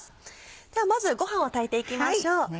ではまずごはんを炊いていきましょう。